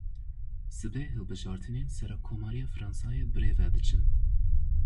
Sibê hilbijartinên serokkomariya Fransayê birêve diçin.